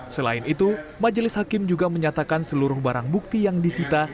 selain itu majelis hakim juga menyatakan seluruh barang bukti yang disita